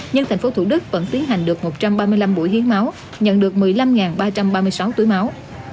nhưng tp thủ đức vẫn tiến hành được một trăm ba mươi năm buổi hiến máu nhận được một mươi năm ba trăm ba mươi sáu tuổi máu